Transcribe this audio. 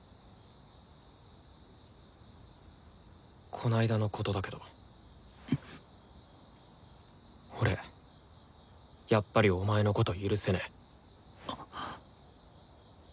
この間のことだけど俺やっぱりお前のこと許せねえ。